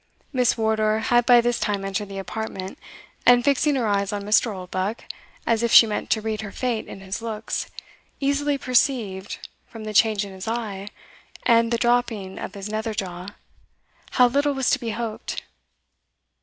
Miss Wardour had by this time entered the apartment, and fixing her eyes on Mr. Oldbuck, as if she meant to read her fate in his looks, easily perceived, from the change in his eye, and the dropping of his nether jaw, how little was to be hoped.